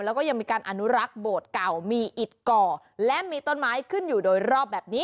แล้วก็ยังมีการอนุรักษ์โบสถ์เก่ามีอิดก่อและมีต้นไม้ขึ้นอยู่โดยรอบแบบนี้